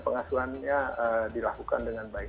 pengasuhannya dilakukan dengan baik